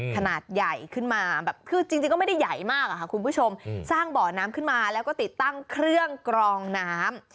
ขนาดใหญ่ขึ้นมาแบบคือจริงก็ไม่ได้ใหญ่มากอะค่ะคุณผู้ชมสร้างบ่อน้ำขึ้นมาแล้วก็ติดตั้งเครื่องกรองน้ำ